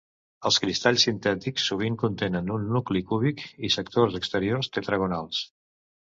Els cristalls sintètics sovint contenen un nucli cúbic i sectors exteriors tetragonals.